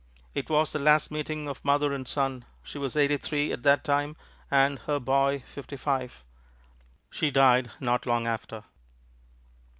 It was the last meeting of mother and son. She was eighty three at that time and "her boy" fifty five. She died not long after.